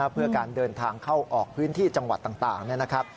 เพื่อการเดินทางเข้าออกพื้นที่จังหวัดต่างนะครับ